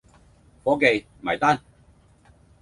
伙記，埋單